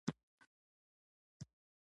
که وضيعت داسې وي لکه نن